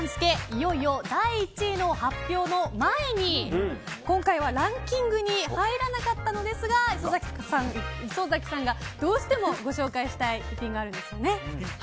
いよいよ第１位の発表の前に今回はランキングに入らなかったのですが磯崎さんがどうしてもご紹介したい逸品があるんですよね。